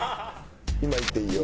今いっていいよ。